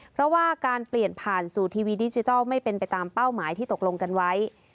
เพราะว่าการเปลี่ยนผ่านสู่ทีวีดิจิทัลไม่เป็นไปตามเป้าหมายที่ตกลงกันไว้